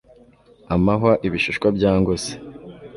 amahwa 'ibishishwa byangose